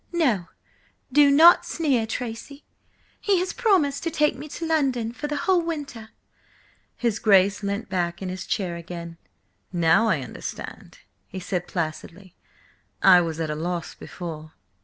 "No, do not sneer, Tracy! He has promised to take me to London for the whole winter–" His Grace leant back in his chair again. "Now I understand," he said placidly. "I was at a loss before."